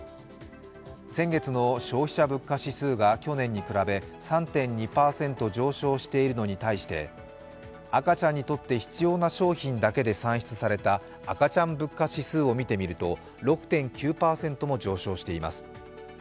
先月の消費者物価指数が去年に比べ３．２％上昇しているのに対し赤ちゃんにとって必要な商品だけで算出された赤ちゃん物価指数を見てみると６．９％も上昇しています。